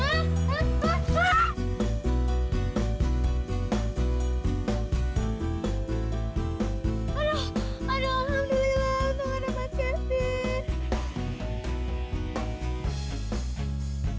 oh bilang aja mau ngambil ngambil kesempatan